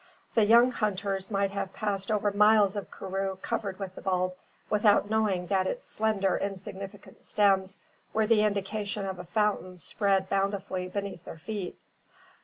The young hunters might have passed over miles of karroo covered with the bulb, without knowing that its slender, insignificant stems were the indication of a fountain spread bountifully beneath their feet.